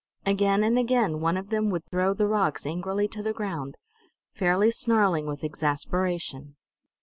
Again and again one of them would throw the rocks angrily to the ground, fairly snarling with exasperation.